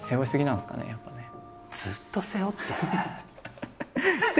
ずっと背負ってるね。